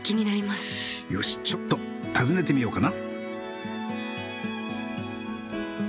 よしちょっと訪ねてみようかな。